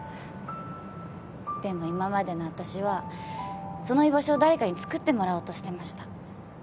でも今までの私はその居場所を誰かにつくってもらおうとしてました。